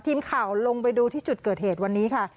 ทีมข่าวลงไปดูที่จุดเกิดเหตุวันนี้ค่ะ